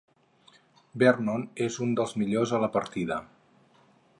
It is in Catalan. Vernon és un dels millors a la partida.